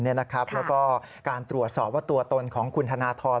แล้วก็การตรวจสอบว่าตัวตนของคุณธนทร